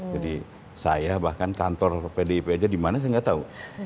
jadi saya bahkan kantor pdip aja dimana saya nggak tahu